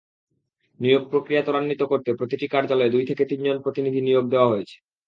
নিয়োগ-প্রক্রিয়া ত্বরান্বিত করতে প্রতিটি কার্যালয়ে দুই থেকে তিনজন প্রতিনিধি নিয়োগ দেওয়া হয়েছে।